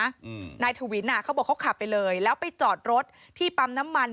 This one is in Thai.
อืมนายถวินอ่ะเขาบอกเขาขับไปเลยแล้วไปจอดรถที่ปั๊มน้ำมัน